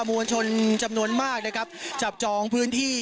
มวลชนจำนวนมากนะครับจับจองพื้นที่